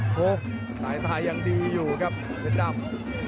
โอ้โหสายตายังดีอยู่ครับเพชรดำ